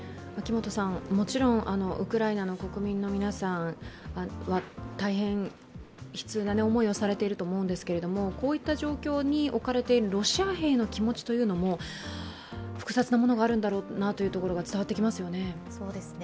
もちろんウクライナの国民の皆さんは大変悲痛な思いをされていると思うんですけれども、こういった状況に置かれているロシア兵の気持ちというのも複雑なものがあるんだろうなというのが伝わってきますね。